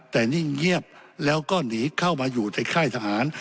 แต่นิ่งเงียบแล้วก็หนีเข้ามาอยู่ในค่ายทหาร